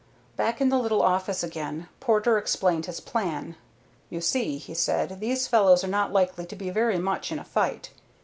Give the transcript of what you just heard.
Back in the little office again Porter explained his plan. "You see," he said, "these fellows are not likely to be very much in a fight.